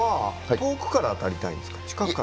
近くから当たりたいんですか？